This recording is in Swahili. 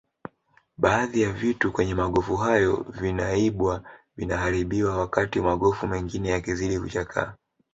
Baadhi ya vitu kwenye magofu hayo vinaibwa vinaharibiwa wakati magofu mengine yakizidi kuchakaa